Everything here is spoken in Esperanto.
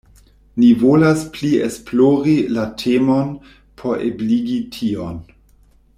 Ni volas pli esplori la temon por ebligi tion.